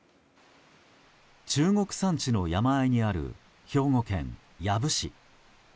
中国山地の山あいにある兵庫県養父市。